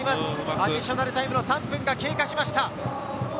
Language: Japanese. アディショナルタイムの３分が経過しました。